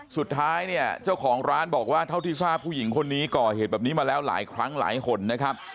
สุดท้ายเนี่ยเจ้าของร้านบอกว่าเท่าที่ทราบผู้หญิงคนนี้ก่อเหตุแบบนี้มาแล้วหลายครั้งหลายคนนะครับ